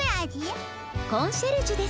コンシェルジュです。